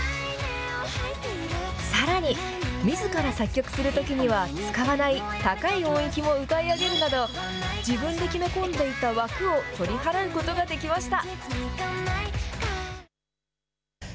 さらに、みずから作曲するときには使わない高い音域も歌い上げるなど、自分で決め込んでいた枠を取り払うことができました。